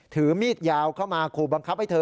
ถือมีดยาวเข้ามาขู่บังคับให้เธอ